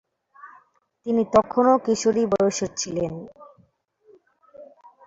তিনি তখনও কিশোরী বয়সের ছিলেন।